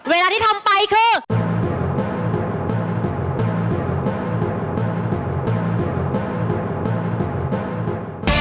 เวลาที่ทำไปคือ